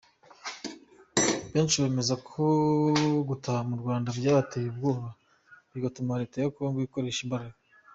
Benshi bemeza ko gutaha mu Rwanda byabateye ubwoba bigatuma leta ya Kongo ikoresha imbaraga.